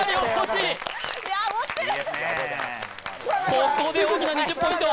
ここで大きな２０ポイント